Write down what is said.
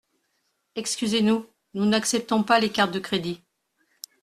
Excusez-nous, nous n’acceptons pas les cartes de crédit.